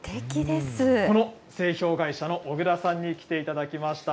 この製氷会社の小倉さんに来ていただきました。